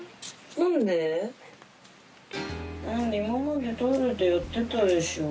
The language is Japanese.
なんで、今までトイレでやってたでしょ。